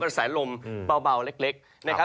กระสาหร่งเบาเล็กนะครับ